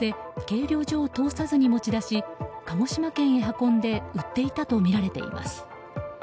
計量所を通さずに持ち出し鹿児島県へ運んで売っていたとみられています。